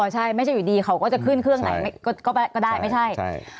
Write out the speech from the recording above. ใช่ไม่ใช่อยู่ดีเขาก็จะขึ้นเครื่องไหนก็ได้ไม่ใช่